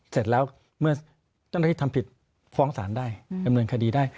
เสร็จแล้วเมื่อเจ้าหน้าที่ทำผิดฟ้องศาลได้ดำเนินคดีได้